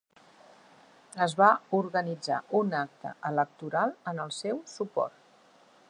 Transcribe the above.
Es va organitzar un acte electoral en el seu suport.